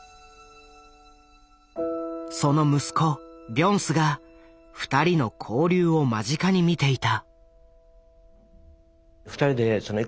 その息子ビョンスが２人の交流を間近に見ていた。